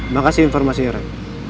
makasih informasi orang